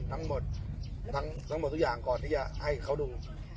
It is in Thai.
ทั้งหมดทั้งหมดทุกอย่างก่อนที่จะให้เขาดู